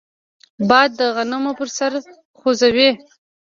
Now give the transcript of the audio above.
باد د غنمو پسر خوځوي